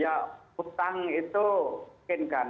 ya utang itu mungkin kan